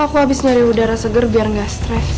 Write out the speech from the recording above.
aku habis nyari udara seger biar gak stress